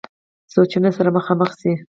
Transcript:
سوچونو سره مخامخ شي -